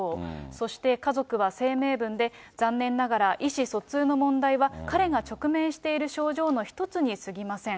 そして家族は声明文で、残念ながら、意思疎通の問題は、彼が直面している症状の一つにすぎません。